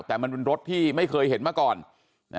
แต่มันเป็นรถที่ไม่เคยเห็นมาก่อน